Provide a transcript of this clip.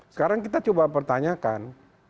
sekarang kita coba pertanyakan